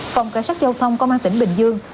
phòng cảnh sát giao thông công an tỉnh bình dương